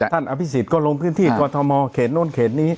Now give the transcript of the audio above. ท่านอภิษฐ์ก็ลงพื้นที่กอทมเขตโน่นเขตนี้